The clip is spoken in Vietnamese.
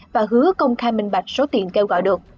và hứa công khai minh bạch số tiền kêu gọi được